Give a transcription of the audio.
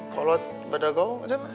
kalau di bandung siapa